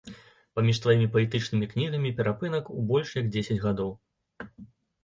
Паміж тваімі паэтычнымі кнігамі перапынак у больш як дзесяць гадоў.